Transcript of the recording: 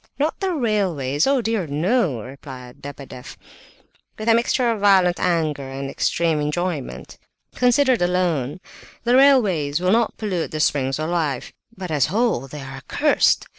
"Not the railways, oh dear, no!" replied Lebedeff, with a mixture of violent anger and extreme enjoyment. "Considered alone, the railways will not pollute the springs of life, but as a whole they are accursed.